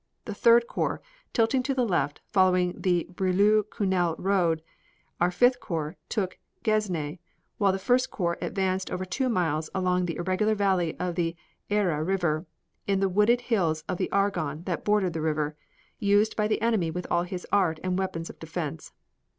The Third Corps tilting to the left followed the Brieulles Cunel road; our Fifth Corps took Gesnes while the First Corps advanced for over two miles along the irregular valley of the Aire River and in the wooded hills of the Argonne that bordered the river, used by the enemy with all his art and weapons of defense.